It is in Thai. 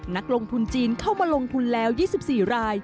นักลงทุนจีนเข้ามาลงทุนแล้ว๒๔ราย